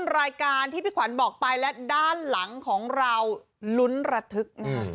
รายการที่พี่ขวัญบอกไปและด้านหลังของเราลุ้นระทึกนะฮะ